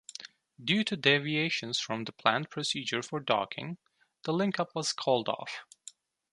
Due to deviations from the planned procedure for docking, the link-up was called off.